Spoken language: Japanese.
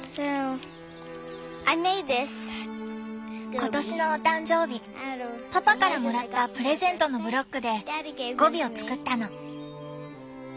今年のお誕生日パパからもらったプレゼントのブロックでゴビを作ったの。